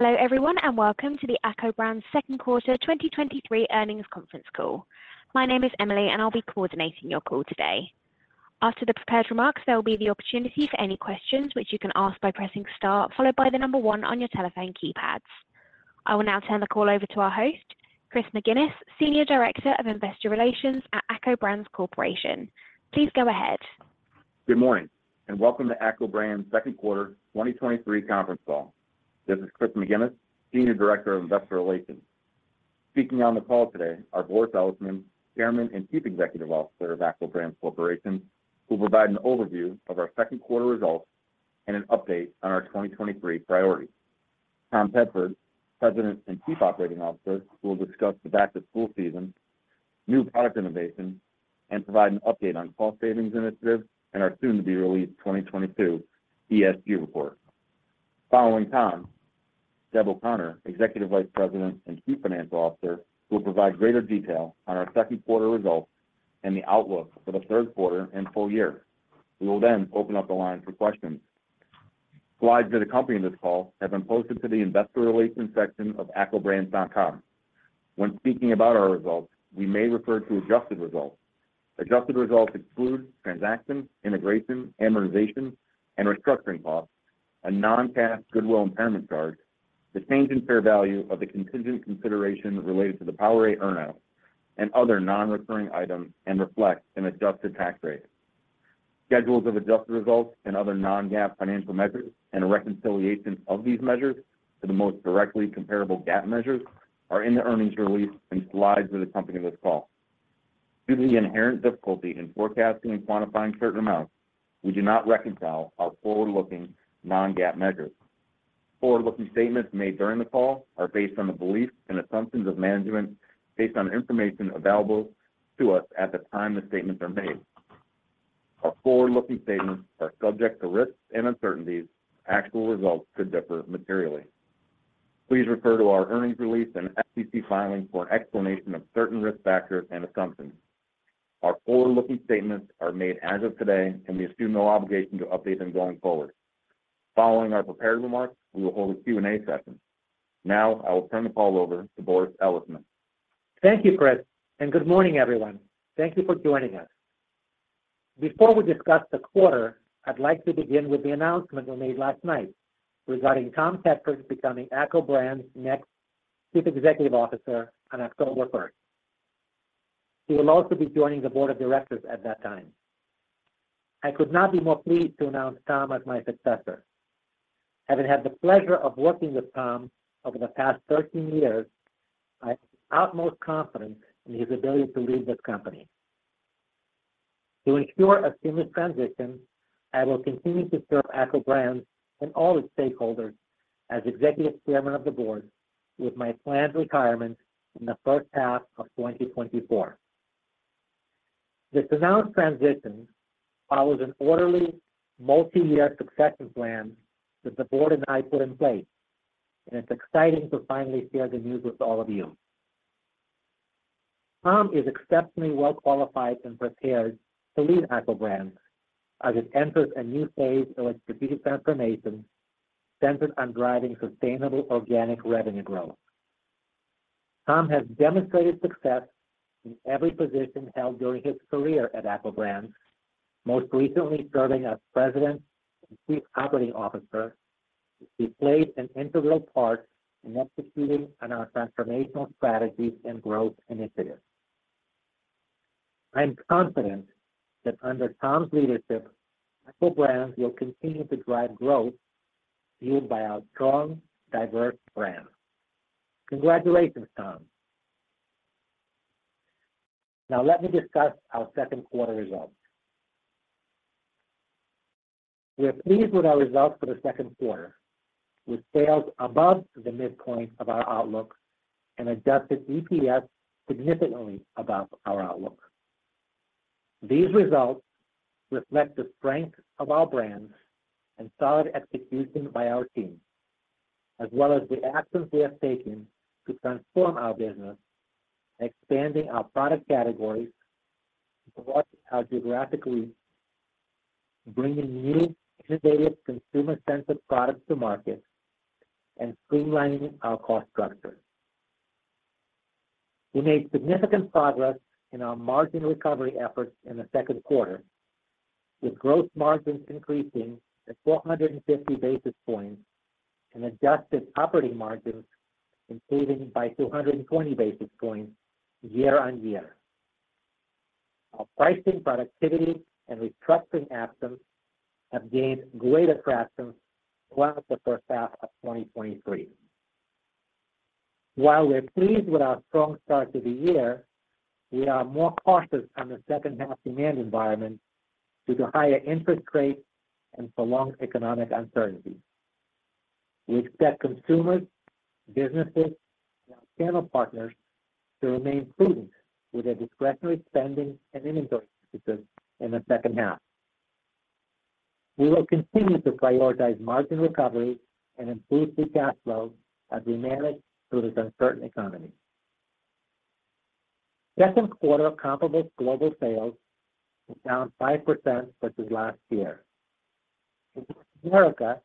Hello, everyone, and welcome to the ACCO Brands Second Quarter 2023 Earnings Conference Call. My name is Emily, and I'll be coordinating your call today. After the prepared remarks, there will be the opportunity for any questions, which you can ask by pressing star, followed by the one on your telephone keypads. I will now turn the call over to our host, Chris McGinnis, Senior Director of Investor Relations at ACCO Brands Corporation. Please go ahead. Good morning, and welcome to ACCO Brands Second Quarter 2023 conference call. This is Chris McGinnis, Senior Director of Investor Relations. Speaking on the call today are Boris Elisman, Chairman and Chief Executive Officer of ACCO Brands Corporation, who will provide an overview of our second quarter results and an update on our 2023 priorities. Tom Tedford, President and Chief Operating Officer, will discuss the back-to-school season, new product innovation, and provide an update on cost savings initiatives and our soon-to-be-released 2022 ESG report. Following Tom, Deb O'Connor, Executive Vice President and Chief Financial Officer, will provide greater detail on our second quarter results and the outlook for the third quarter and full year. We will open up the line for questions. Slides that accompany this call have been posted to the investor relations section of accobrands.com. When speaking about our results, we may refer to adjusted results. Adjusted results include transaction, integration, amortization, and restructuring costs, a non-cash goodwill impairment charge, the change in fair value of the contingent consideration related to the PowerA earn-out, and other non-recurring items, and reflect an adjusted tax rate. Schedules of adjusted results and other non-GAAP financial measures and a reconciliation of these measures to the most directly comparable GAAP measures are in the earnings release and slides that accompany this call. Due to the inherent difficulty in forecasting and quantifying certain amounts, we do not reconcile our forward-looking non-GAAP measures. Forward-looking statements made during the call are based on the beliefs and assumptions of management, based on information available to us at the time the statements are made. Our forward-looking statements are subject to risks and uncertainties. Actual results could differ materially. Please refer to our earnings release and SEC filings for an explanation of certain risk factors and assumptions. Our forward-looking statements are made as of today, and we assume no obligation to update them going forward. Following our prepared remarks, we will hold a Q&A session. Now, I will turn the call over to Boris Elisman. Thank you, Chris, and good morning, everyone. Thank you for joining us. Before we discuss the quarter, I'd like to begin with the announcement we made last night regarding Tom Tedford becoming ACCO Brands' next Chief Executive Officer on October 1st. He will also be joining the board of directors at that time. I could not be more pleased to announce Tom as my successor. Having had the pleasure of working with Tom over the past 13 years, I have the utmost confidence in his ability to lead this company. To ensure a seamless transition, I will continue to serve ACCO Brands and all its stakeholders as Executive Chairman of the Board with my planned retirement in the first half of 2024. This announced transition follows an orderly, multi-year succession plan that the board and I put in place. It's exciting to finally share the news with all of you. Tom is exceptionally well-qualified and prepared to lead ACCO Brands as it enters a new phase of its strategic transformation, centered on driving sustainable organic revenue growth. Tom has demonstrated success in every position held during his career at ACCO Brands, most recently serving as President and Chief Operating Officer. He plays an integral part in executing on our transformational strategies and growth initiatives. I am confident that under Tom's leadership, ACCO Brands will continue to drive growth fueled by our strong, diverse brands. Congratulations, Tom. Now, let me discuss our second quarter results. We are pleased with our results for the second quarter, with sales above the midpoint of our outlook and Adjusted EPS significantly above our outlook. These results reflect the strength of our brands and solid execution by our team, as well as the actions we have taken to transform our business, expanding our product categories, across our geographically, bringing new, innovative, consumer-centric products to market and streamlining our cost structure. We made significant progress in our margin recovery efforts in the second quarter, with gross margins increasing at 450 basis points and adjusted operating margins increasing by 220 basis points year-over-year. Our pricing, productivity, and restructuring actions have gained greater traction throughout the first half of 2023. While we're pleased with our strong start to the year, we are more cautious on the second half demand environment due to higher interest rates and prolonged economic uncertainty. We expect consumers, businesses, and our channel partners to remain prudent with their discretionary spending and inventory decisions in the second half. We will continue to prioritize margin recovery and improve free cash flow as we manage through this uncertain economy. Second quarter comparable global sales was down 5% versus last year. In North America,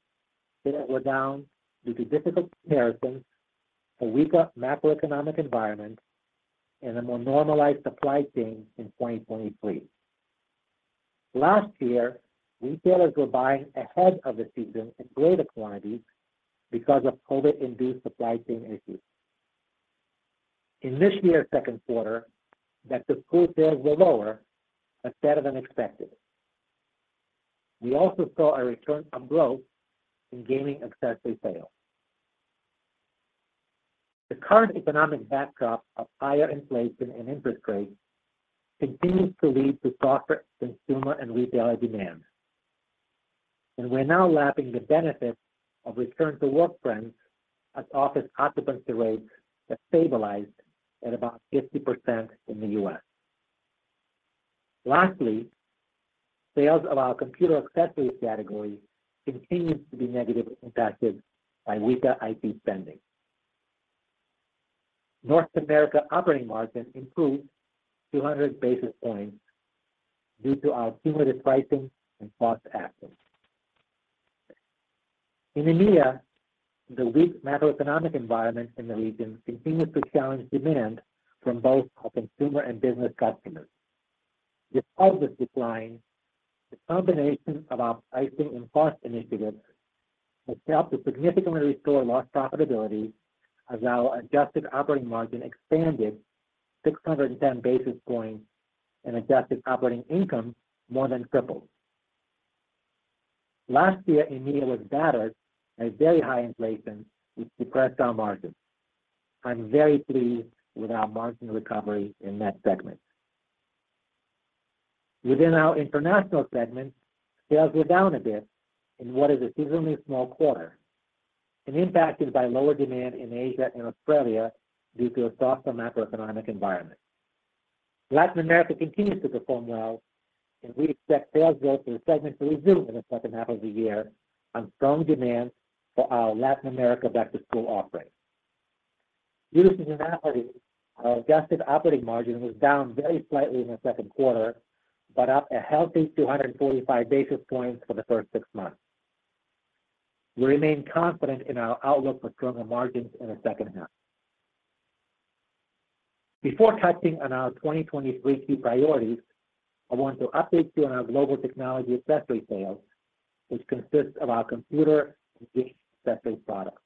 they were down due to difficult comparisons, a weaker macroeconomic environment, and a more normalized supply chain in 2023. Last year, retailers were buying ahead of the season in greater quantities because of COVID-induced supply chain issues. In this year's second quarter, back-to-school sales were lower but better than expected. We also saw a return to growth in gaming accessory sales. The current economic backdrop of higher inflation and interest rates continues to lead to softer consumer and retailer demand, and we're now lapping the benefits of return-to-work trends as office occupancy rates have stabilized at about 50% in the U.S.. Lastly, sales of our computer accessories category continues to be negatively impacted by weaker IT spending. North America operating margin improved 200 basis points due to our cumulative pricing and cost actions. In EMEA, the weak macroeconomic environment in the region continues to challenge demand from both our consumer and business customers. Despite this decline, the combination of our pricing and cost initiatives has helped to significantly restore lost profitability, as our adjusted operating margin expanded 610 basis points and adjusted operating income more than tripled. Last year, EMEA was battered by very high inflation, which depressed our margins. I'm very pleased with our margin recovery in that segment. Within our international segment, sales were down a bit in what is a seasonally small quarter and impacted by lower demand in Asia and Australia due to a softer macroeconomic environment. Latin America continues to perform well, and we expect sales growth in the segment to resume in the second half of the year on strong demand for our Latin America back-to-school offering. Due to seasonality, our adjusted operating margin was down very slightly in the second quarter, but up a healthy 245 basis points for the first six months. We remain confident in our outlook for stronger margins in the second half. Before touching on our 2023 key priorities, I want to update you on our global technology accessory sales, which consist of our computer and gaming accessory products.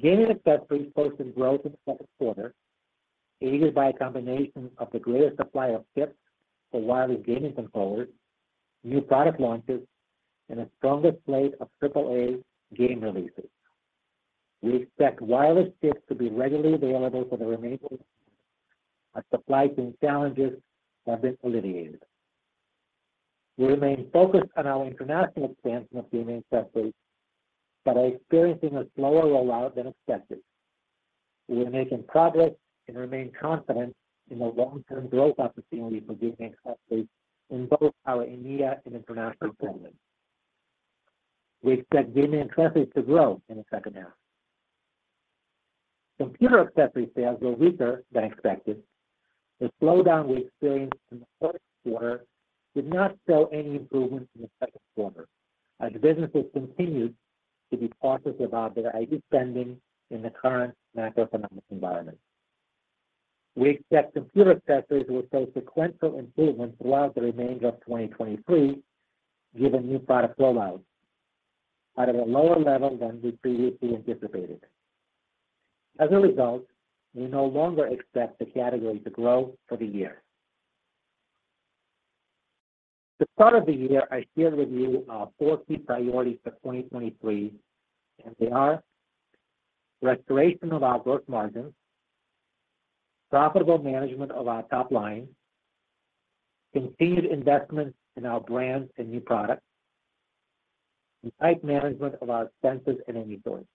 Gaming accessories posted growth in the second quarter, aided by a combination of the greater supply of chips for wireless gaming controllers, new product launches, and a stronger slate of AAA game releases. We expect wireless chips to be readily available for the remainder of the year as supply chain challenges have been alleviated. We remain focused on our international expansion of gaming accessories, but are experiencing a slower rollout than expected. We are making progress and remain confident in the long-term growth opportunity for gaming accessories in both our EMEA and international segments. We expect gaming accessories to grow in the second half. Computer accessory sales were weaker than expected. The slowdown we experienced in the fourth quarter did not show any improvement in the second quarter, as businesses continued to be cautious about their IT spending in the current macroeconomic environment. We expect computer accessories will show sequential improvement throughout the remainder of 2023, given new product rollouts, out of a lower level than we previously anticipated. As a result, we no longer expect the category to grow for the year. At the start of the year, I shared with you our four key priorities for 2023, and they are: restoration of our gross margins, profitable management of our top line, continued investments in our brands and new products, and tight management of our expenses and inventories.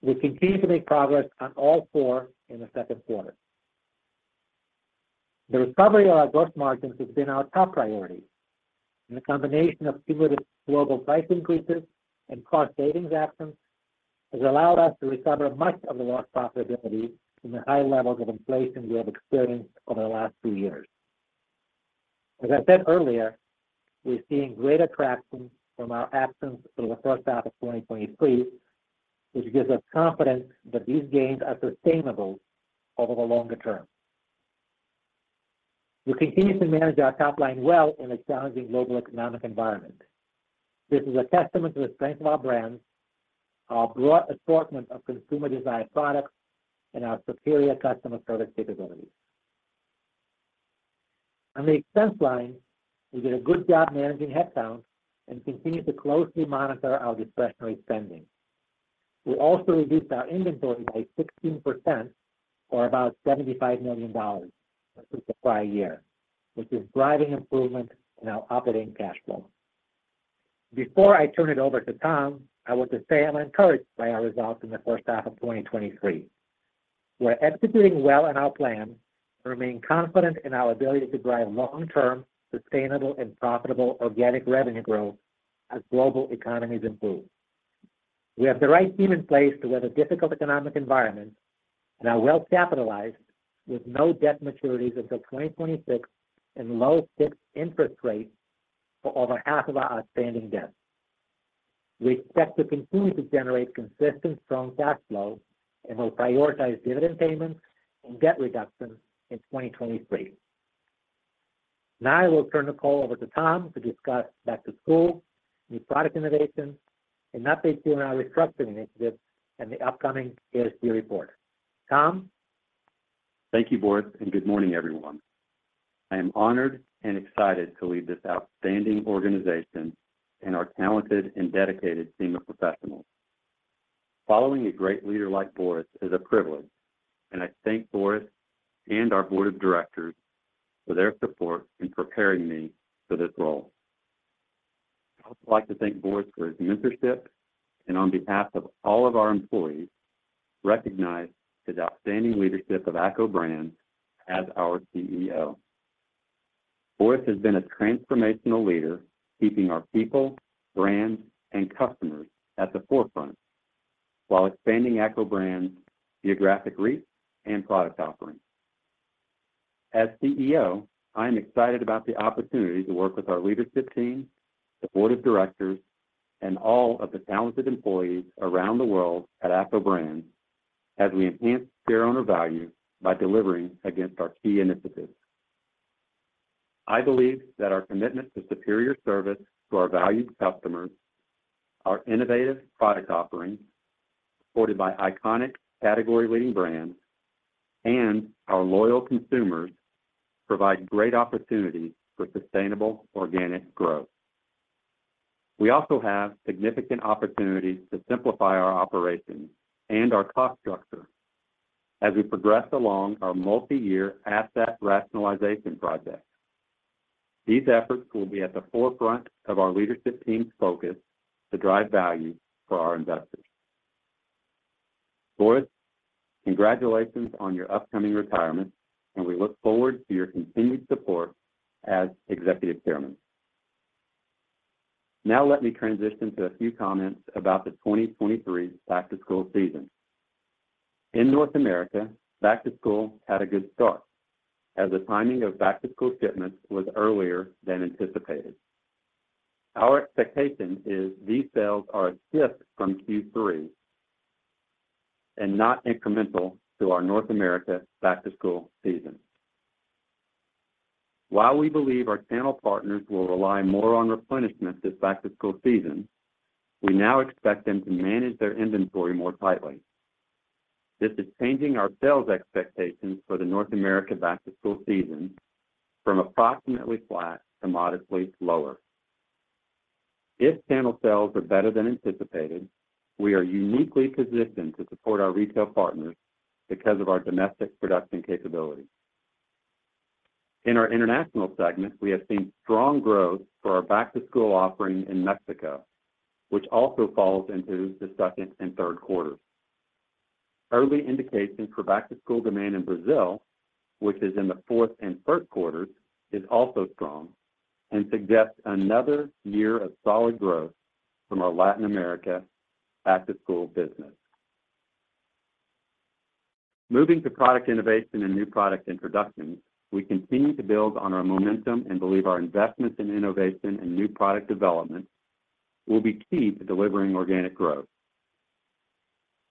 We continued to make progress on all four in the second quarter. The recovery of our gross margins has been our top priority, and the combination of cumulative global price increases and cost savings actions has allowed us to recover much of the lost profitability from the high levels of inflation we have experienced over the last two years. As I said earlier, we are seeing greater traction from our actions through the first half of 2023, which gives us confidence that these gains are sustainable over the longer term. We continue to manage our top line well in a challenging global economic environment. This is a testament to the strength of our brands, our broad assortment of consumer-designed products, and our superior customer service capabilities. On the expense line, we did a good job managing headcount and continue to closely monitor our discretionary spending. We also reduced our inventory by 16%, or about $75 million from the prior year, which is driving improvement in our operating cash flow. Before I turn it over to Tom, I want to say I'm encouraged by our results in the first half of 2023. We're executing well on our plan and remain confident in our ability to drive long-term, sustainable, and profitable organic revenue growth as global economies improve. We have the right team in place to weather difficult economic environment, and are well capitalized with no debt maturities until 2026 and low fixed interest rates for over half of our outstanding debt. We expect to continue to generate consistent, strong cash flow, and will prioritize dividend payments and debt reduction in 2023. Now I will turn the call over to Tom to discuss back-to-school, new product innovations, an update on our restructuring initiatives, and the upcoming ESG report. Tom? Thank you, Boris, and good morning, everyone. I am honored and excited to lead this outstanding organization and our talented and dedicated team of professionals. Following a great leader like Boris is a privilege, and I thank Boris and our Board of Directors for their support in preparing me for this role. I'd also like to thank Boris for his mentorship, and on behalf of all of our employees, recognize his outstanding leadership of ACCO Brands as our CEO. Boris has been a transformational leader, keeping our people, brands, and customers at the forefront, while expanding ACCO Brands' geographic reach and product offerings. As CEO, I am excited about the opportunity to work with our leadership team, the board of directors, and all of the talented employees around the world at ACCO Brands as we enhance shareowner value by delivering against our key initiatives. I believe that our commitment to superior service to our valued customers, our innovative product offerings, supported by iconic, category-leading brands, and our loyal consumers, provide great opportunities for sustainable organic growth. We also have significant opportunities to simplify our operations and our cost structure as we progress along our multiyear asset rationalization project. These efforts will be at the forefront of our leadership team's focus to drive value for our investors. Boris, congratulations on your upcoming retirement, and we look forward to your continued support as Executive Chairman. Now let me transition to a few comments about the 2023 back-to-school season. In North America, back to school had a good start, as the timing of back-to-school shipments was earlier than anticipated. Our expectation is these sales are a shift from Q3 and not incremental to our North America back-to-school season. While we believe our channel partners will rely more on replenishment this back-to-school season, we now expect them to manage their inventory more tightly. This is changing our sales expectations for the North America back-to-school season from approximately flat to modestly lower. If channel sales are better than anticipated, we are uniquely positioned to support our retail partners because of our domestic production capabilities. In our international segment, we have seen strong growth for our back-to-school offerings in Mexico, which also falls into the second and third quarters. Early indications for back-to-school demand in Brazil, which is in the fourth and first quarters, is also strong and suggests another year of solid growth from our Latin America back-to-school business. Moving to product innovation and new product introductions, we continue to build on our momentum and believe our investments in innovation and new product development will be key to delivering organic growth.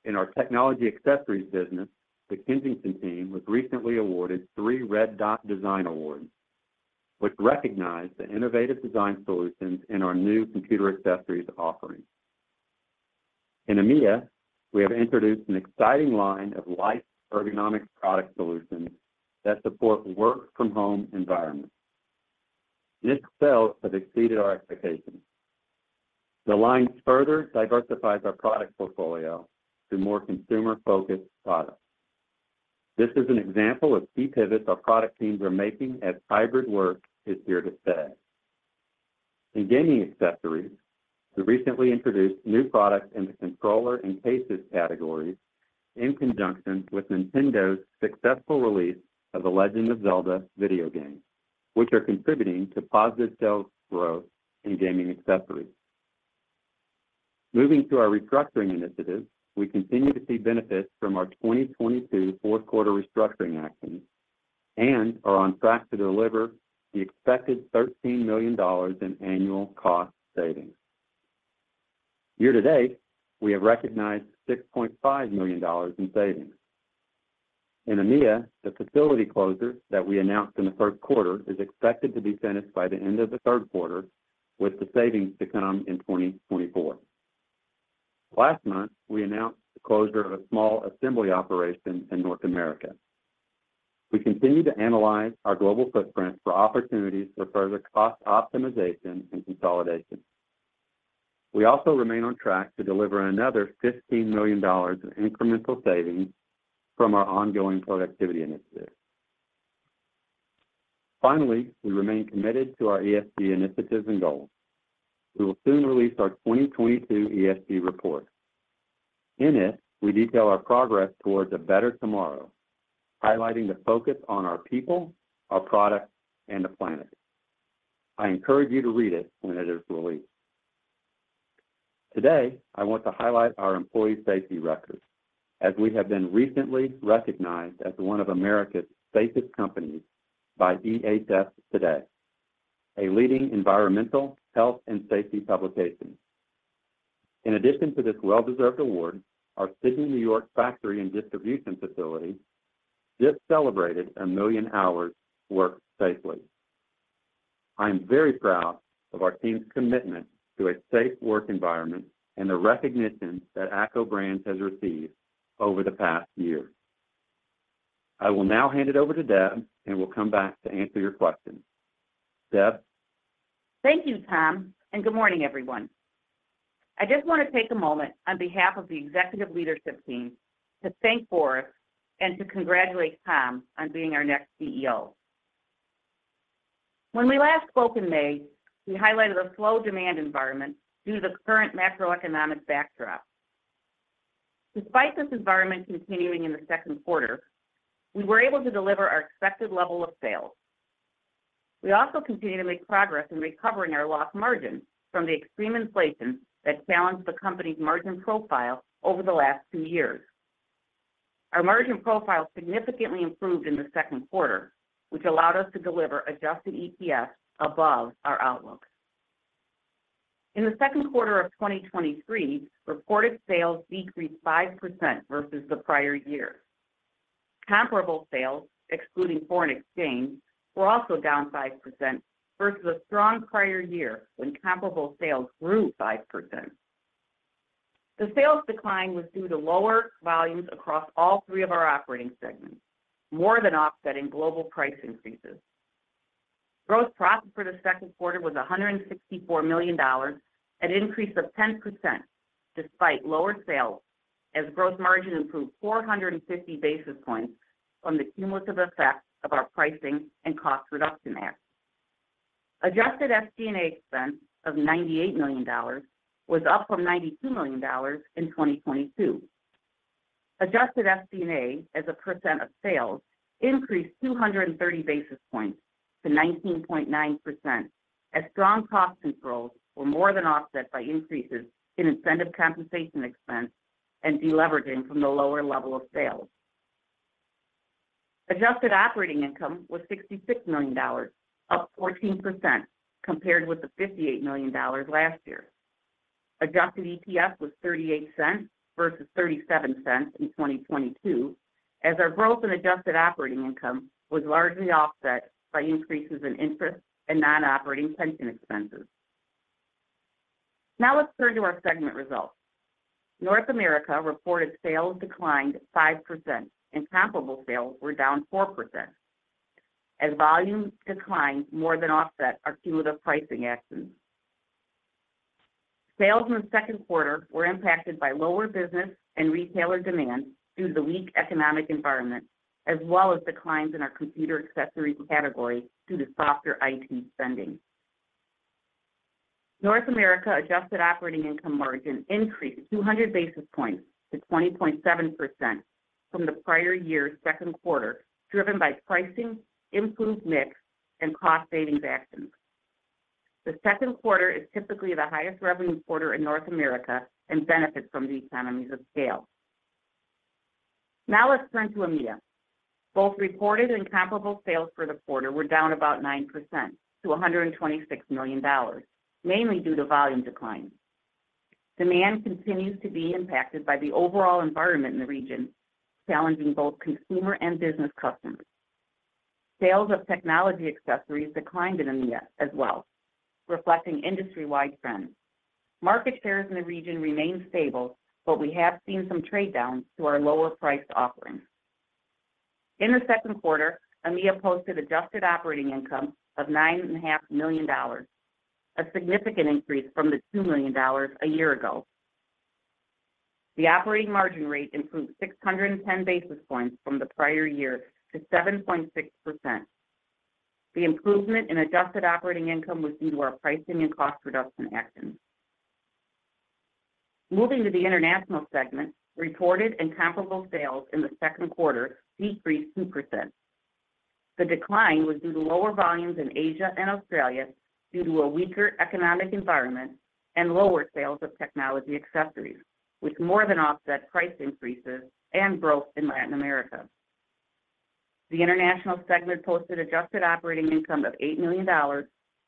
In our technology accessories business, the Kensington team was recently awarded three Red Dot Design Award, which recognize the innovative design solutions in our new computer accessories offerings. In EMEA, we have introduced an exciting line of light ergonomics product solutions that support work-from-home environments. These sales have exceeded our expectations. The line further diversifies our product portfolio to more consumer-focused products. This is an example of key pivots our product teams are making as hybrid work is here to stay. In gaming accessories, we recently introduced new products in the controller and cases categories in conjunction with Nintendo's successful release of The Legend of Zelda video game, which are contributing to positive sales growth in gaming accessories. Moving to our restructuring initiatives, we continue to see benefits from our 2022 fourth quarter restructuring actions and are on track to deliver the expected $13 million in annual cost savings. Year to date, we have recognized $6.5 million in savings. In EMEA, the facility closure that we announced in the third quarter is expected to be finished by the end of the third quarter, with the savings to come in 2024. Last month, we announced the closure of a small assembly operation in North America. We continue to analyze our global footprint for opportunities for further cost optimization and consolidation. We also remain on track to deliver another $15 million of incremental savings from our ongoing productivity initiatives. Finally, we remain committed to our ESG initiatives and goals. We will soon release our 2022 ESG report. In it, we detail our progress towards a better tomorrow, highlighting the focus on our people, our products, and the planet. I encourage you to read it when it is released. Today, I want to highlight our employee safety record, as we have been recently recognized as one of America's safest companies by EHS Today, a leading environmental, health, and safety publication. In addition to this well-deserved award, our Sidney, New York, factory and distribution facility just celebrated 1 million hours worked safely. I am very proud of our team's commitment to a safe work environment and the recognition that ACCO Brands has received over the past year. I will now hand it over to Deb, and we'll come back to answer your questions. Deb? Thank you, Tom, and good morning, everyone. I just want to take a moment on behalf of the executive leadership team to thank Boris Elisman and to congratulate Tom on being our next CEO. When we last spoke in May, we highlighted a slow demand environment due to the current macroeconomic backdrop. Despite this environment continuing in the second quarter, we were able to deliver our expected level of sales. We also continued to make progress in recovering our lost margin from the extreme inflation that challenged the company's margin profile over the last two years. Our margin profile significantly improved in the second quarter, which allowed us to deliver Adjusted EPS above our outlook. In the second quarter of 2023, reported sales decreased 5% versus the prior year. Comparable sales, excluding foreign exchange, were also down 5% versus a strong prior year when comparable sales grew 5%. The sales decline was due to lower volumes across all three of our operating segments, more than offsetting global price increases. Gross profit for the second quarter was $164 million, an increase of 10% despite lower sales, as gross margin improved 450 basis points on the cumulative effect of our pricing and cost reduction acts. Adjusted SG&A expense of $98 million was up from $92 million in 2022. Adjusted SG&A as a % of sales increased 230 basis points to 19.9%, as strong cost controls were more than offset by increases in incentive compensation expense and deleveraging from the lower level of sales. Adjusted operating income was $66 million, up 14% compared with the $58 million last year. Adjusted EPS was $0.38 versus $0.37 in 2022, as our growth in adjusted operating income was largely offset by increases in interest and non-operating pension expenses. Now let's turn to our segment results. North America reported sales declined 5%, and comparable sales were down 4%, as volumes declined more than offset our cumulative pricing actions. Sales in the second quarter were impacted by lower business and retailer demand due to the weak economic environment, as well as declines in our computer accessories category due to softer IT spending. North America adjusted operating income margin increased 200 basis points to 20.7% from the prior year's second quarter, driven by pricing, improved mix, and cost-saving actions. The second quarter is typically the highest revenue quarter in North America and benefits from the economies of scale. Now let's turn to EMEA. Both reported and comparable sales for the quarter were down about 9% to $126 million, mainly due to volume declines. Demand continues to be impacted by the overall environment in the region, challenging both consumer and business customers. Sales of technology accessories declined in EMEA as well, reflecting industry-wide trends. Market shares in the region remain stable, but we have seen some trade downs to our lower-priced offerings. In the second quarter, EMEA posted adjusted operating income of $9.5 million, a significant increase from the $2 million a year ago. The operating margin rate improved 610 basis points from the prior year to 7.6%. The improvement in adjusted operating income was due to our pricing and cost reduction actions. Moving to the international segment, reported and comparable sales in the second quarter decreased 2%. The decline was due to lower volumes in Asia and Australia due to a weaker economic environment and lower sales of technology accessories, which more than offset price increases and growth in Latin America. The international segment posted adjusted operating income of $8 million,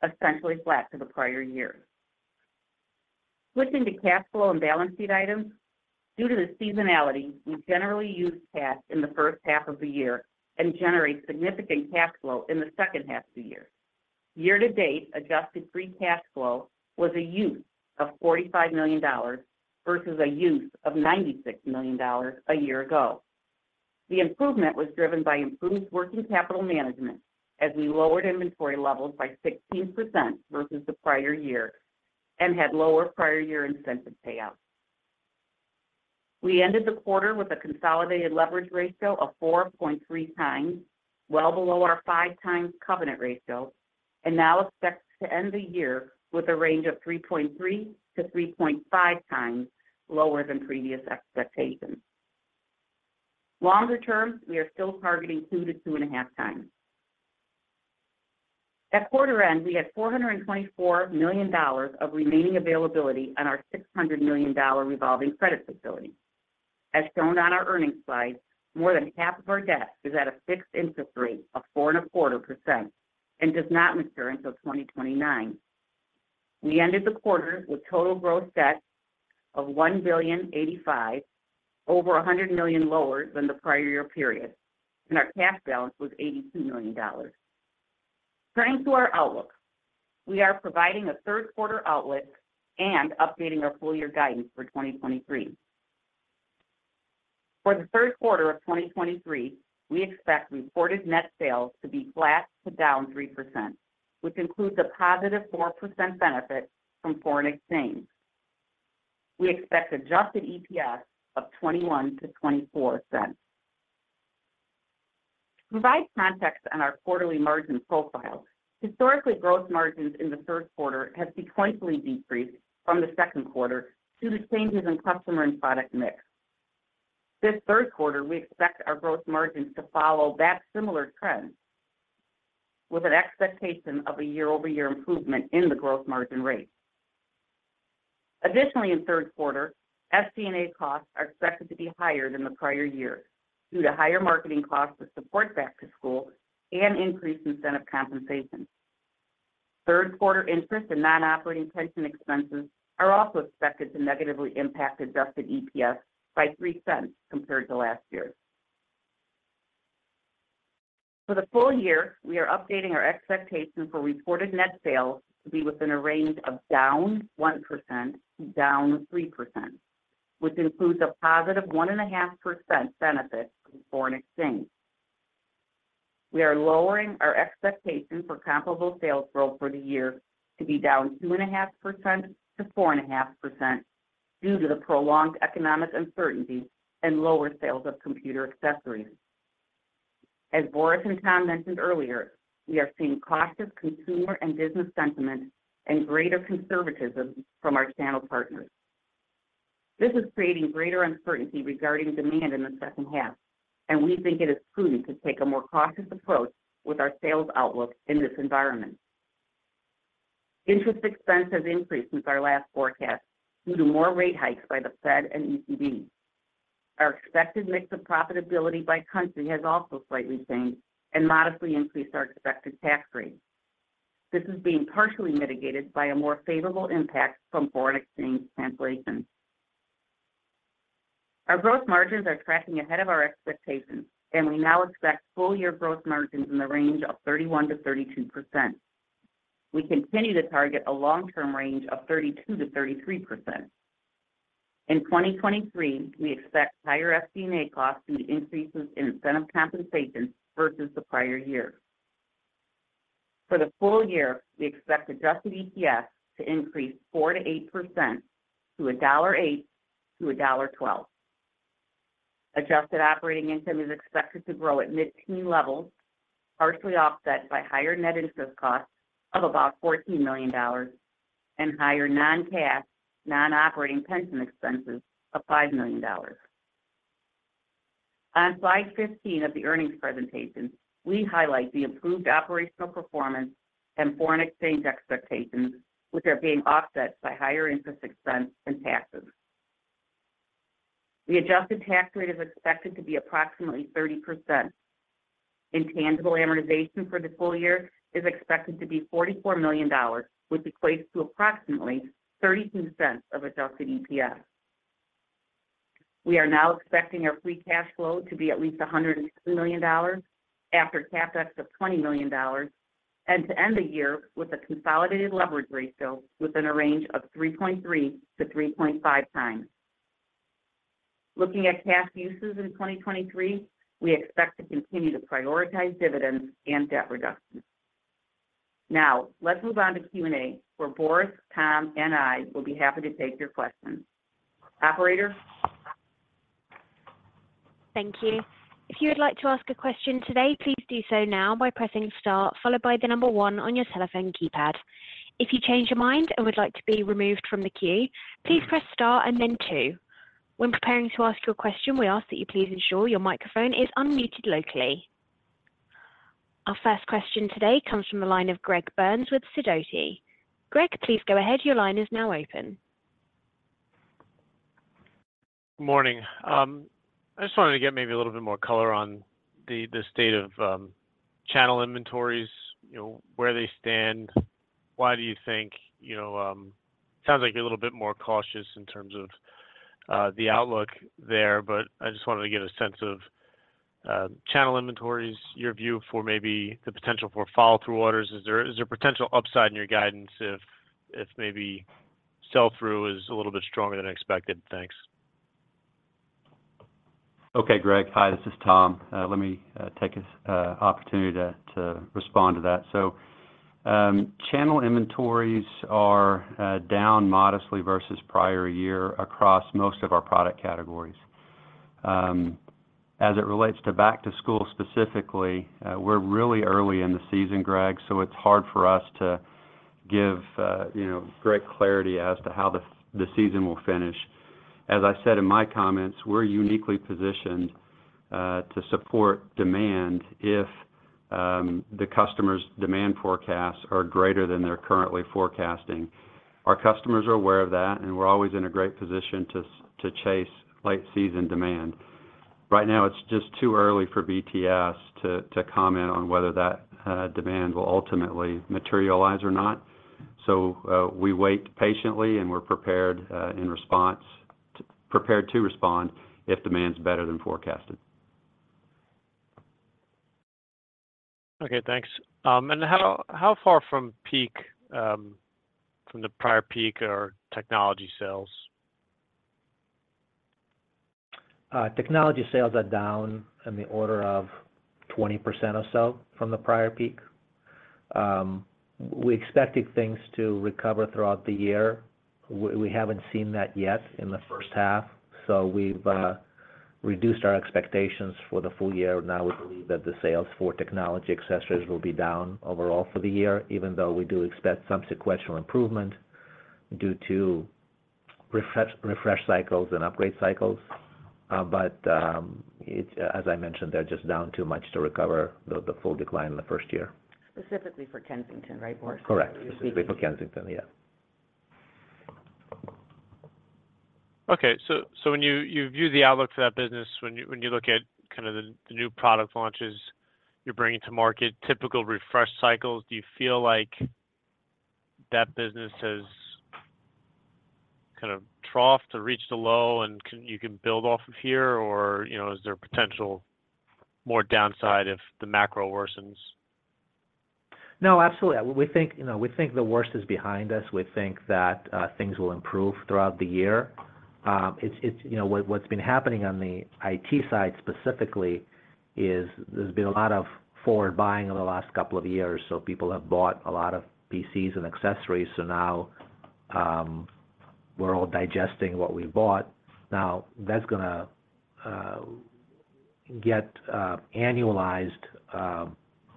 essentially flat to the prior year. Switching to cash flow and balance sheet items, due to the seasonality, we generally use cash in the first half of the year and generate significant cash flow in the second half of the year. Year to date, adjusted free cash flow was a use of $45 million versus a use of $96 million a year ago. The improvement was driven by improved working capital management as we lowered inventory levels by 16% versus the prior year and had lower prior year incentive payouts. We ended the quarter with a consolidated leverage ratio of 4.3x, well below our 5x covenant ratio, and now expect to end the year with a range of 3.3x-3.5x lower than previous expectations. Longer term, we are still targeting 2x-2.5x. At quarter end, we had $424 million of remaining availability on our $600 million revolving credit facility. As shown on our earnings slide, more than half of our debt is at a fixed interest rate of 4.25% and does not mature until 2029. We ended the quarter with total gross debt of $1.085 billion, over $100 million lower than the prior year period, and our cash balance was $82 million. Turning to our outlook, we are providing a third quarter outlook and updating our full year guidance for 2023. For the third quarter of 2023, we expect reported net sales to be flat to down 3%, which includes a positive 4% benefit from foreign exchange. We expect Adjusted EPS of $0.21-$0.24. To provide context on our quarterly margin profile, historically, gross margins in the third quarter have sequentially decreased from the second quarter due to changes in customer and product mix. This third quarter, we expect our gross margins to follow that similar trend, with an expectation of a year-over-year improvement in the gross margin rate. Additionally, in 3rd quarter, SG&A costs are expected to be higher than the prior year due to higher marketing costs to support back to school and increased incentive compensation. Third quarter interest and non-operating pension expenses are also expected to negatively impact Adjusted EPS by $0.03 compared to last year. For the full year, we are updating our expectations for reported net sales to be within a range of down 1% to down 3%, which includes a positive 1.5% benefit from foreign exchange. We are lowering our expectation for comparable sales growth for the year to be down 2.5% to 4.5% due to the prolonged economic uncertainty and lower sales of computer accessories. As Boris and Tom mentioned earlier, we are seeing cautious consumer and business sentiment and greater conservatism from our channel partners. This is creating greater uncertainty regarding demand in the second half, and we think it is prudent to take a more cautious approach with our sales outlook in this environment. Interest expense has increased since our last forecast due to more rate hikes by the Fed and ECB. Our expected mix of profitability by country has also slightly changed and modestly increased our expected tax rate. This is being partially mitigated by a more favorable impact from foreign exchange translations. Our gross margins are tracking ahead of our expectations, and we now expect full year gross margins in the range of 31%-32%. We continue to target a long-term range of 32%-33%. In 2023, we expect higher SG&A costs due to increases in incentive compensation versus the prior year. For the full year, we expect adjusted EPS to increase 4%-8% to $1.08-$1.12. Adjusted operating income is expected to grow at mid-teen levels, partially offset by higher net interest costs of about $14 million and higher non-cash, non-operating pension expenses of $5 million. On slide 15 of the earnings presentation, we highlight the improved operational performance and foreign exchange expectations, which are being offset by higher interest expense and taxes. The adjusted tax rate is expected to be approximately 30%. Intangible amortization for the full year is expected to be $44 million, which equates to approximately $0.32 of Adjusted EPS. We are now expecting our free cash flow to be at least $102 million after CapEx of $20 million, and to end the year with a consolidated leverage ratio within a range of 3.3x to 3.5x. Looking at cash uses in 2023, we expect to continue to prioritize dividends and debt reduction. Let's move on to Q&A, where Boris, Tom, and I will be happy to take your questions. Operator? Thank you. If you would like to ask a question today, please do so now by pressing star, followed by the number one on your telephone keypad. If you change your mind and would like to be removed from the queue, please press star and then two. When preparing to ask your question, we ask that you please ensure your microphone is unmuted locally. Our first question today comes from the line of Greg Burns with Sidoti. Greg, please go ahead. Your line is now open. Morning. I just wanted to get maybe a little bit more color on the state of channel inventories, you know, where they stand. Why do you think, you know, sounds like you're a little bit more cautious in terms of the outlook there, but I just wanted to get a sense of channel inventories, your view for maybe the potential for follow-through orders. Is there, is there potential upside in your guidance if, if maybe sell-through is a little bit stronger than expected? Thanks. Okay, Greg. Hi, this is Tom. Let me take this opportunity to respond to that. Channel inventories are down modestly versus prior year across most of our product categories. As it relates to back to school specifically, we're really early in the season, Greg, so it's hard for us to give, you know, great clarity as to how the season will finish. As I said in my comments, we're uniquely positioned to support demand if the customer's demand forecasts are greater than they're currently forecasting. Our customers are aware of that, and we're always in a great position to chase late-season demand. Right now, it's just too early for BTS to comment on whether that demand will ultimately materialize or not. we wait patiently, and we're prepared, prepared to respond if demand's better than forecasted. Okay, thanks. How, how far from peak, from the prior peak are technology sales? Technology sales are down in the order of 20% or so from the prior peak. We expected things to recover throughout the year. We, we haven't seen that yet in the first half, so we've reduced our expectations for the full year. Now, we believe that the sales for technology accessories will be down overall for the year, even though we do expect some sequential improvement due to refresh, refresh cycles and upgrade cycles. As I mentioned, they're just down too much to recover the, the full decline in the first year. Specifically for Kensington, right, Boris? Correct. Specifically for Kensington, yeah. When you, you view the outlook for that business, when you, when you look at kind of the, the new product launches you're bringing to market, typical refresh cycles, do you feel like that business has kind of troughed or reached a low, and you can build off of here? You know, is there potential more downside if the macro worsens? No, absolutely. We think, you know, we think the worst is behind us. We think that things will improve throughout the year. You know, what, what's been happening on the IT side specifically is there's been a lot of forward buying over the last couple of years, so people have bought a lot of PCs and accessories, so now, we're all digesting what we bought. Now, that's gonna get annualized,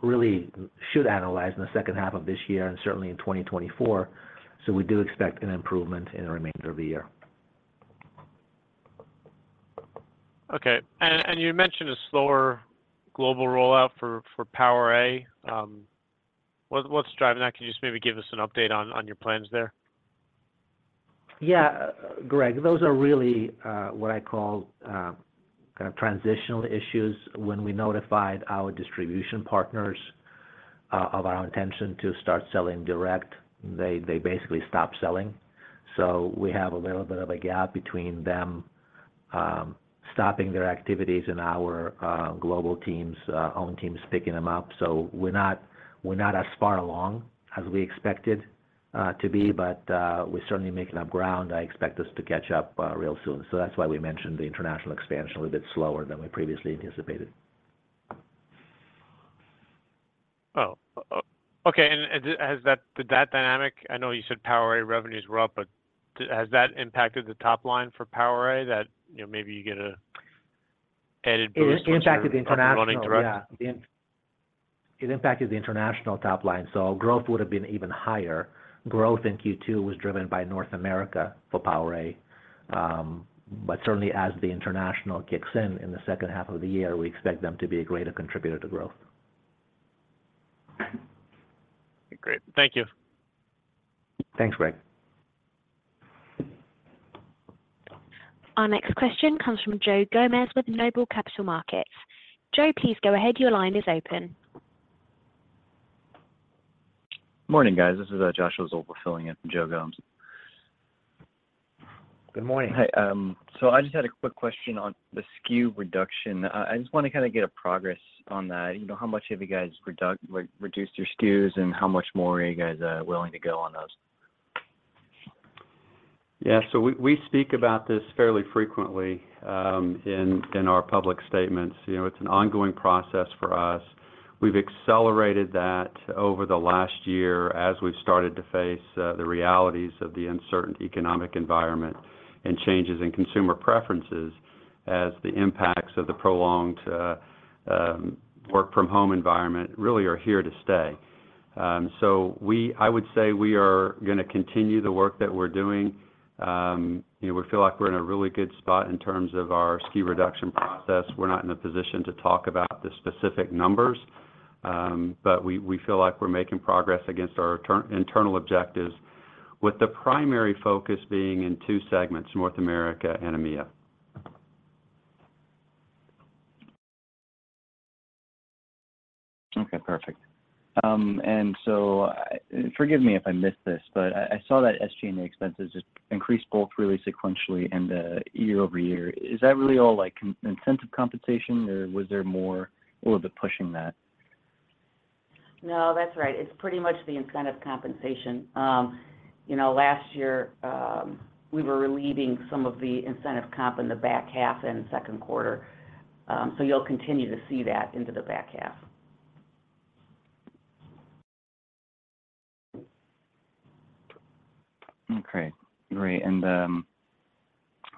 really should annualize in the second half of this year and certainly in 2024. We do expect an improvement in the remainder of the year. Okay. And you mentioned a slower global rollout for PowerA. What's driving that? Can you just maybe give us an update on your plans there? Yeah, Greg, those are really what I call kind of transitional issues. When we notified our distribution partners of our intention to start selling direct, they, they basically stopped selling. We have a little bit of a gap between them stopping their activities and our global teams own teams picking them up. We're not, we're not as far along as we expected to be, but we're certainly making up ground. I expect us to catch up real soon. That's why we mentioned the international expansion a little bit slower than we previously anticipated. Oh, okay, and did that dynamic. I know you said PowerA revenues were up, but has that impacted the top line for PowerA, that, you know, maybe you get a added boost... It impacted the international. running direct? Yeah. It impacted the international top line. Growth would have been even higher. Growth in Q2 was driven by North America for PowerA. Certainly as the international kicks in, in the second half of the year, we expect them to be a greater contributor to growth. Great. Thank you. Thanks, Greg. Our next question comes from Joe Gomes with Noble Capital Markets. Joe, please go ahead. Your line is open. Morning, guys, this is Joshua Zoepfel filling in for Joe Gomes. Good morning. Hi, I just had a quick question on the SKU reduction. I just wanna kind of get a progress on that. You know, how much have you guys like, reduced your SKUs, and how much more are you guys willing to go on those? Yeah, we, we speak about this fairly frequently, in, in our public statements. You know, it's an ongoing process for us. We've accelerated that over the last year as we've started to face the realities of the uncertain economic environment and changes in consumer preferences, as the impacts of the prolonged work from home environment really are here to stay. I would say we are gonna continue the work that we're doing. You know, we feel like we're in a really good spot in terms of our SKU reduction process. We're not in a position to talk about the specific numbers, but we, we feel like we're making progress against our internal objectives, with the primary focus being in two segments, North America and EMEA. Okay, perfect. Forgive me if I missed this, but I, I saw that SG&A expenses just increased both really sequentially and year over year. Is that really all, like, in- incentive compensation, or was there more, a little bit pushing that? No, that's right. It's pretty much the incentive compensation. You know, last year, we were relieving some of the incentive comp in the back half and second quarter. You'll continue to see that into the back half. Okay, great.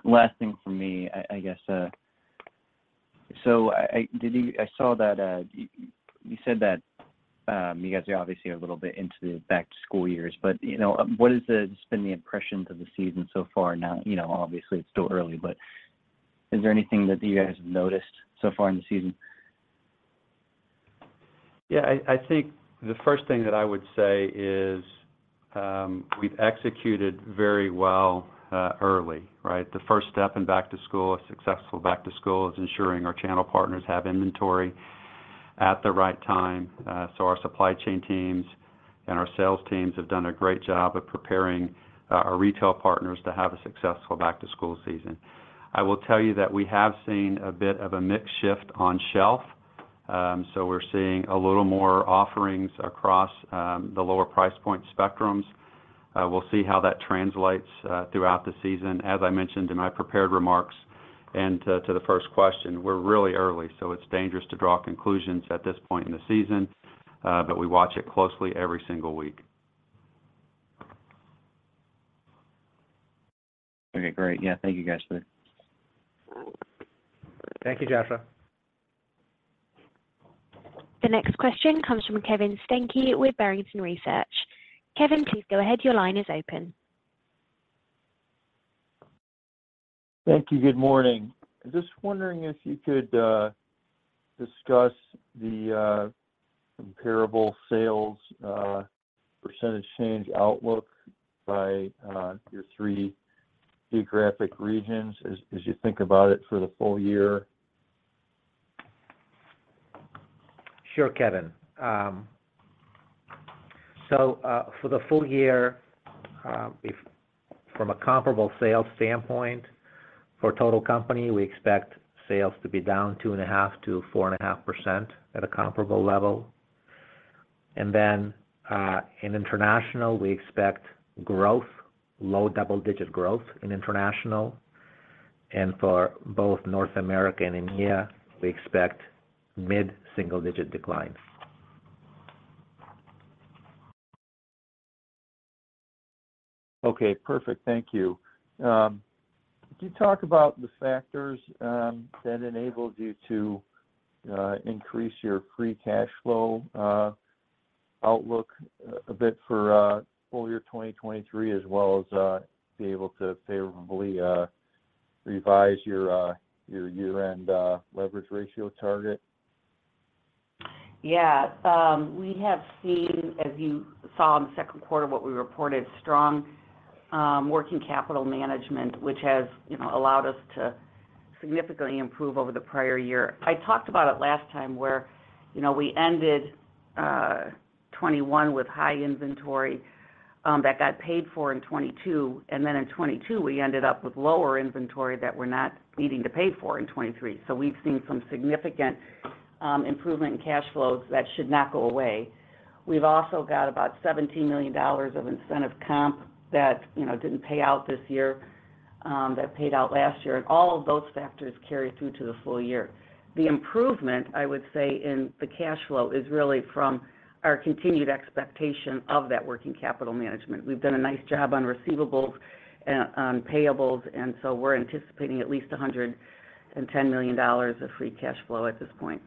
Last thing from me, I guess, so I saw that you said that you guys are obviously a little bit into the back-to-school years. You know, what is the, has been the impressions of the season so far now? You know, obviously, it's still early, is there anything that you guys have noticed so far in the season? Yeah, I, I think the first thing that I would say is, we've executed very well, early, right? The first step in back-to-school, a successful back-to-school, is ensuring our channel partners have inventory at the right time. Our supply chain teams and our sales teams have done a great job of preparing our retail partners to have a successful back-to-school season. I will tell you that we have seen a bit of a mix shift on shelf. We're seeing a little more offerings across the lower price point spectrums. We'll see how that translates throughout the season. As I mentioned in my prepared remarks and to, to the first question, we're really early, it's dangerous to draw conclusions at this point in the season, we watch it closely every single week. Okay, great. Yeah, thank you, guys, for that. Thank you, Joshua. The next question comes from Kevin Steinke with Barrington Research. Kevin, please go ahead. Your line is open. Thank you. Good morning. Just wondering if you could discuss the comparable sales percentage change outlook by your three geographic regions as, as you think about it for the full year? Sure, Kevin. For the full year, if from a comparable sales standpoint, for total company, we expect sales to be down 2.5%-4.5% at a comparable level. In international, we expect growth, low double-digit growth in international. For both North America and EMEA, we expect mid-single digit declines. Okay, perfect. Thank you. Could you talk about the factors that enabled you to increase your free cash flow outlook a bit for full year 2023, as well as be able to favorably revise your your year-end leverage ratio target? Yeah. We have seen, as you saw in the second quarter, what we reported, strong working capital management, which has, you know, allowed us to significantly improve over the prior year. I talked about it last time, where, you know, we ended 2021 with high inventory that got paid for in 2022. Then in 2022, we ended up with lower inventory that we're not needing to pay for in 2023. We've seen some significant improvement in cash flows that should not go away. We've also got about $17 million of incentive comp that, you know, didn't pay out this year that paid out last year. All of those factors carry through to the full year. The improvement, I would say, in the cash flow is really from our continued expectation of that working capital management. We've done a nice job on receivables and on payables, so we're anticipating at least $110 million of free cash flow at this point.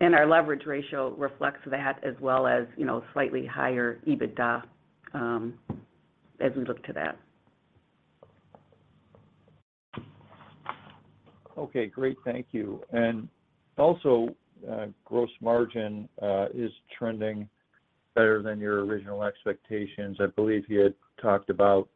Our leverage ratio reflects that as well as, you know, slightly higher EBITDA as we look to that. Okay, great. Thank you. Also, gross margin, is trending better than your original expectations. I believe you had talked about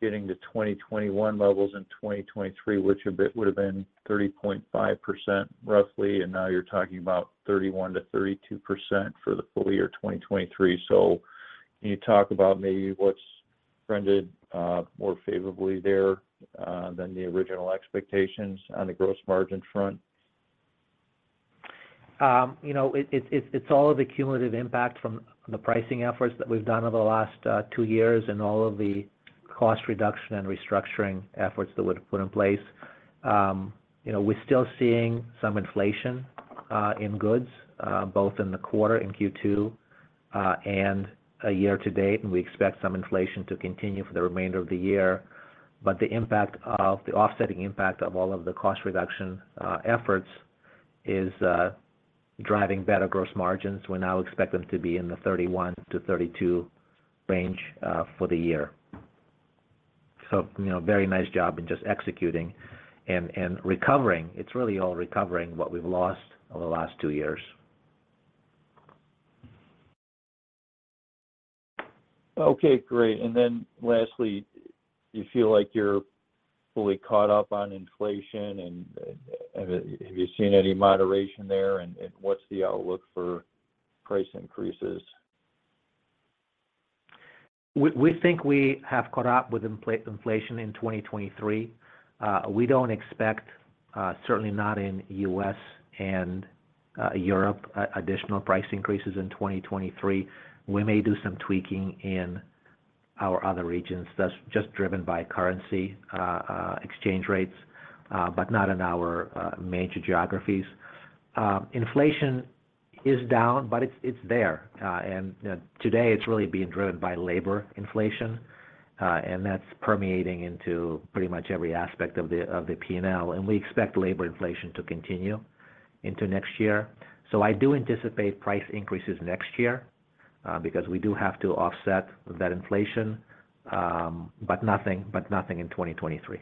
getting to 2021 levels in 2023, which a bit would have been 30.5%, roughly, and now you're talking about 31%-32% for the full year 2023. Can you talk about maybe what's trended, more favorably there, than the original expectations on the gross margin front? You know, it, it's, it's, it's all of the cumulative impact from the pricing efforts that we've done over the last two years and all of the cost reduction and restructuring efforts that we've put in place. You know, we're still seeing some inflation in goods, both in the quarter, in Q2, and a year to date, and we expect some inflation to continue for the remainder of the year. The impact of the offsetting impact of all of the cost reduction efforts is driving better gross margins. We now expect them to be in the 31-32 range for the year. You know, very nice job in just executing and, and recovering. It's really all recovering what we've lost over the last two years. Okay, great. Then lastly, do you feel like you're fully caught up on inflation, and, have you seen any moderation there, and, and what's the outlook for price increases? We, we think we have caught up with inflation in 2023. We don't expect, certainly not in U.S. and Europe, additional price increases in 2023. We may do some tweaking in our other regions, that's just driven by currency exchange rates, but not in our major geographies. Inflation is down, but it's, it's there. Today it's really being driven by labor inflation, and that's permeating into pretty much every aspect of the P&L. We expect labor inflation to continue into next year. I do anticipate price increases next year, because we do have to offset that inflation, but nothing, but nothing in 2023.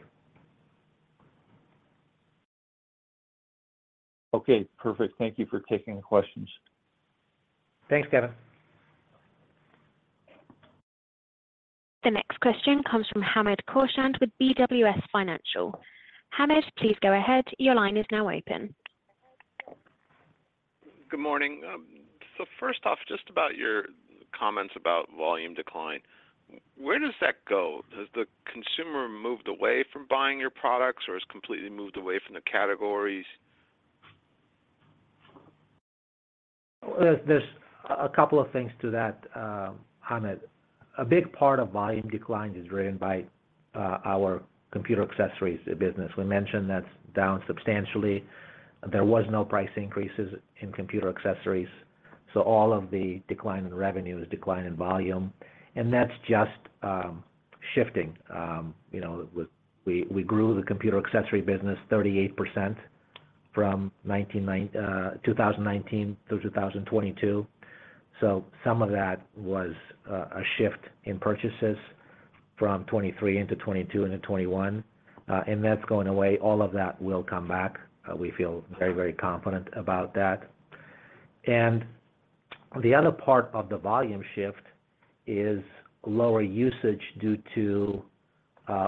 Okay, perfect. Thank you for taking the questions. Thanks, Kevin. The next question comes from Hamed Khorsand with BWS Financial. Hamed, please go ahead. Your line is now open. Good morning. First off, just about your comments about volume decline. Where does that go? Has the consumer moved away from buying your products, or has completely moved away from the categories? There's a couple of things to that, Hamed. A big part of volume decline is driven by our computer accessories business. We mentioned that's down substantially. There was no price increases in computer accessories, so all of the decline in revenue is decline in volume, and that's just shifting. You know, we, we grew the computer accessory business 38% from 2019 to 2022. Some of that was a shift in purchases from 2023 into 2022 and into 2021. That's going away. All of that will come back. We feel very, very confident about that. The other part of the volume shift is lower usage due to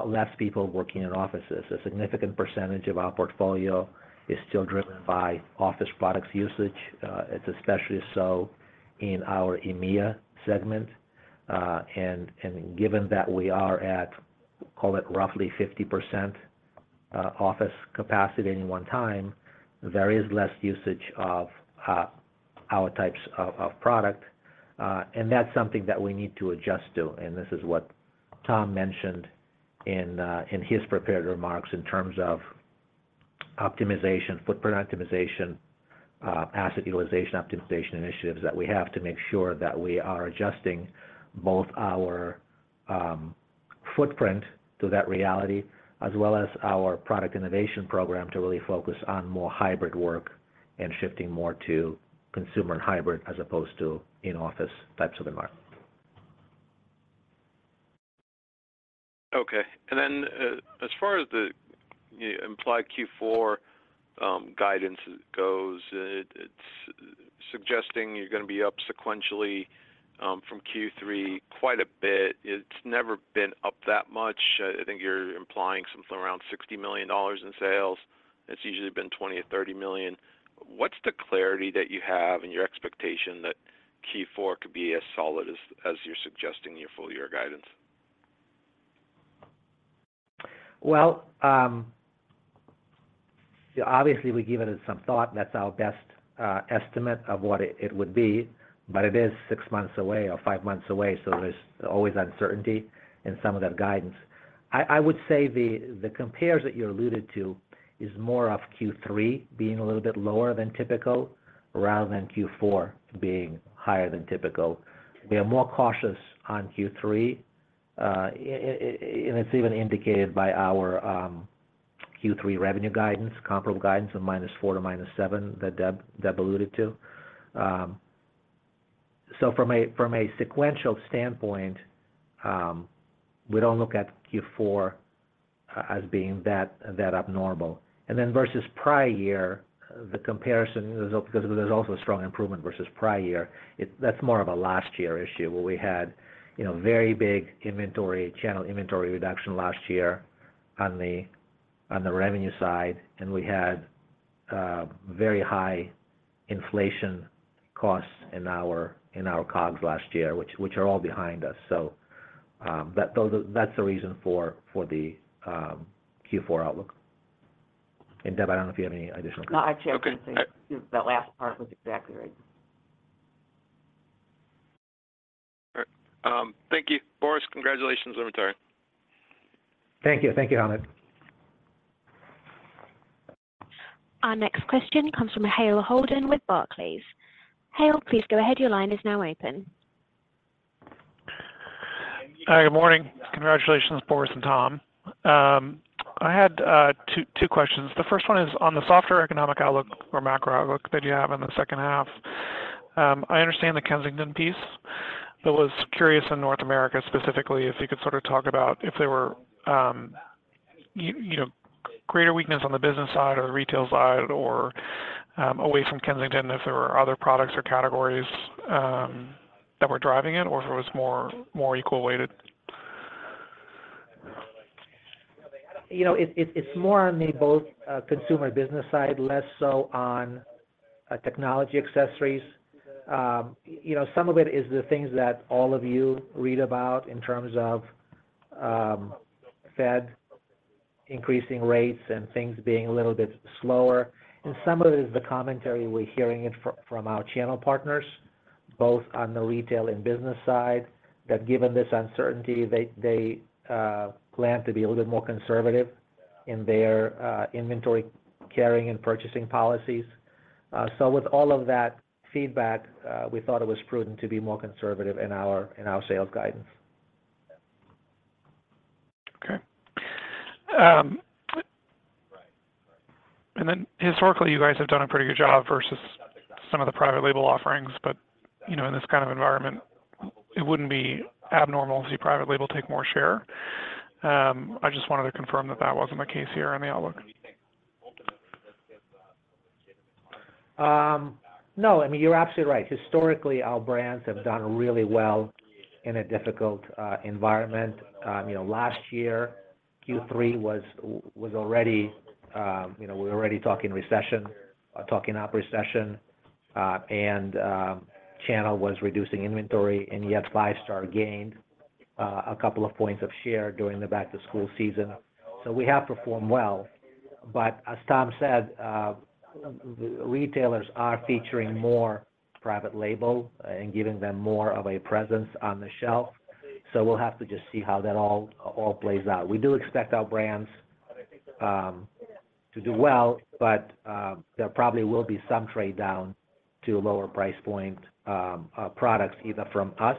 less people working in offices. A significant percentage of our portfolio is still driven by office products usage. It's especially so in our EMEA segment. Given that we are at, call it, roughly 50%, office capacity any one time, there is less usage of, our types of, of product, and that's something that we need to adjust to, and this is what Tom mentioned in, in his prepared remarks in terms of optimization, footprint optimization, asset utilization optimization initiatives, that we have to make sure that we are adjusting both our, footprint to that reality, as well as our product innovation program, to really focus on more hybrid work and shifting more to consumer and hybrid, as opposed to in-office types of environment. Okay. Then, as far as the implied Q4 guidance goes, it, it's suggesting you're going to be up sequentially, from Q3, quite a bit. It's never been up that much. I think you're implying something around $60 million in sales. It's usually been $20 million or $30 million. What's the clarity that you have and your expectation that Q4 could be as solid as, as you're suggesting in your full year guidance? Well, obviously, we've given it some thought, and that's our best estimate of what it, it would be, but it is six months away or five months away, so there's always uncertainty in some of that guidance. I, I would say the, the compares that you alluded to is more of Q3 being a little bit lower than typical, rather than Q4 being higher than typical. We are more cautious on Q3, and it's even indicated by our Q3 revenue guidance, comparable guidance of -4% to -7%, that Deb, Deb alluded to. From a, from a sequential standpoint, we don't look at Q4 as being that, that abnormal. Versus prior year, the comparison, because there's also a strong improvement versus prior year, that's more of a last year issue, where we had, you know, very big inventory- channel inventory reduction last year on the revenue side, and we had very high inflation costs in our COGS last year, which are all behind us. That's the reason for the Q4 outlook. Deb, I don't know if you have any additional- No, actually, I was going to say that last part was exactly right. All right. Thank you. Boris, congratulations on the return. Thank you. Thank you, Hamed. Our next question comes from Hale Holden with Barclays. Hale, please go ahead. Your line is now open. Hi, good morning. Congratulations, Boris and Tom. I had two, two questions. The first one is on the softer economic outlook or macro outlook that you have in the second half. I understand the Kensington piece, but was curious in North America, specifically, if you could sort of talk about if there were, you know, greater weakness on the business side or the retail side, or away from Kensington, if there were other products or categories, that were driving it, or if it was more, more equal weighted? You know, it's, it's more on the both, consumer/business side, less so on, technology accessories. You know, some of it is the things that all of you read about in terms of, Fed increasing rates and things being a little bit slower, and some of it is the commentary we're hearing it from, from our channel partners, both on the retail and business side, that given this uncertainty, they, they, plan to be a little bit more conservative in their, inventory carrying and purchasing policies. With all of that feedback, we thought it was prudent to be more conservative in our, in our sales guidance. Okay. Historically, you guys have done a pretty good job versus some of the private label offerings, but, you know, in this kind of environment, it wouldn't be abnormal to see private label take more share. I just wanted to confirm that that wasn't the case here in the outlook. No, I mean, you're absolutely right. Historically, our brands have done really well in a difficult environment. You know, last year, Q3 was, was already, you know, we're already talking recession, talking up recession, and channel was reducing inventory, and yet Five Star gained a couple of points of share during the back-to-school season. We have performed well, but as Tom said, retailers are featuring more private label and giving them more of a presence on the shelf. We'll have to just see how that all, all plays out. We do expect our brands to do well, but there probably will be some trade down to a lower price point products, either from us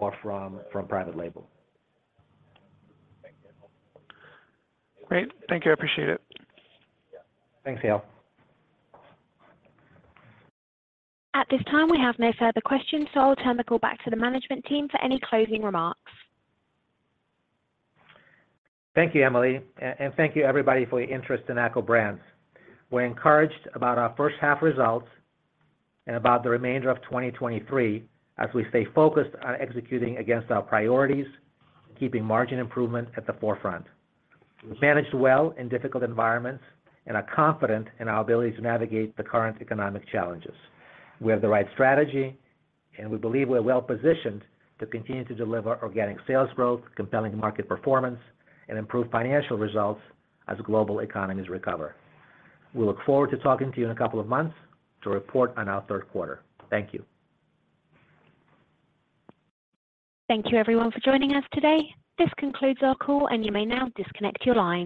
or from, from private label. Great. Thank you. I appreciate it. Thanks, Hale. At this time, we have no further questions, so I'll turn the call back to the management team for any closing remarks. Thank you, Emily, and thank you, everybody, for your interest in ACCO Brands. We're encouraged about our first half results and about the remainder of 2023, as we stay focused on executing against our priorities, keeping margin improvement at the forefront. We've managed well in difficult environments and are confident in our ability to navigate the current economic challenges. We have the right strategy, and we believe we're well positioned to continue to deliver organic sales growth, compelling market performance, and improved financial results as global economies recover. We look forward to talking to you in a couple of months to report on our third quarter. Thank you. Thank you everyone for joining us today. This concludes our call. You may now disconnect your line.